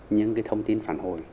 nhưng cái thông tin phản hồi